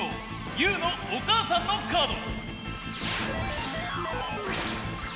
ゆうのお母さんのカード！